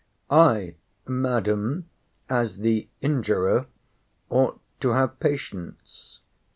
I, Madam, as the injurer, ought to have patience.